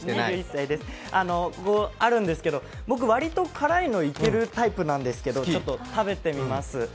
ここにあるんですけど、僕わりと辛いのいけるタイプなんですけど、食べてみます。